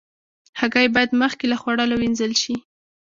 هګۍ باید مخکې له خوړلو وینځل شي.